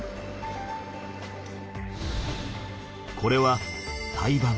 これは胎盤。